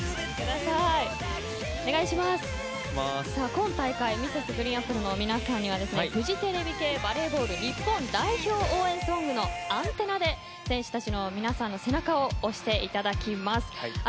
今大会Ｍｒｓ．ＧＲＥＥＮＡＰＰＬＥの皆さんはフジテレビ系バレーボール日本代表応援ソングの「ＡＮＴＥＮＮＡ」で選手たちの皆さんの背中を押していただきます。